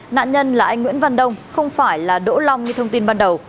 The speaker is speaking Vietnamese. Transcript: nạn nhân là anh nguyễn văn đông không phải là đỗ long như thông tin ban đầu